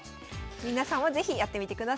皆さんも是非やってみてください。